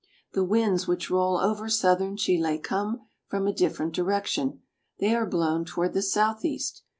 The winds which roll over southern Chile come from a different direction. They are blown toward the south east.